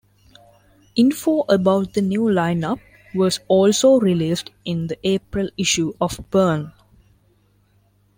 Info about the new lineup was also released in the April issue of Burrn!